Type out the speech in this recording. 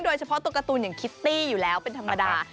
โดยเฉพาะตัวการ์ตูนอย่างคิตตี้อยู่แล้วเป็นธรรมดา